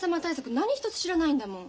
何一つ知らないんだもん。